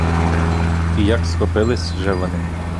І як схопились же вони!